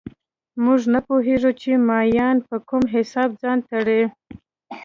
موږ نه پوهېږو چې مایان په کوم حساب ځان تړي